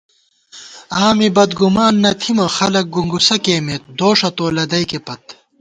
آں می بدگُمان نہ تھِمہ، خلَک گُنگُسہ کېئیمېت، دوݭہ تو لدَئیکےپت